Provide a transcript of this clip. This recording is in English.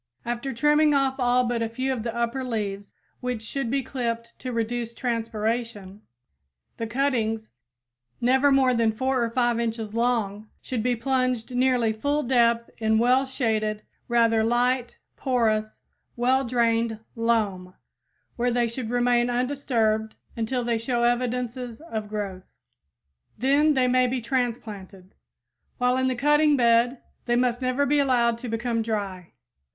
After trimming off all but a few of the upper leaves, which should be clipped to reduce transpiration, the cuttings never more than 4 or 5 inches long should be plunged nearly full depth in well shaded, rather light, porous, well drained loam where they should remain undisturbed until they show evidences of growth. Then they may be transplanted. While in the cutting bed they must never be allowed to become dry.